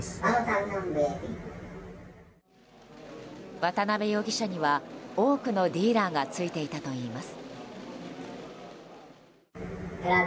渡邉容疑者には多くのディーラーがついていたといいます。